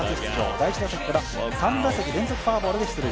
第１打席から３打席連続フォアボールで出塁。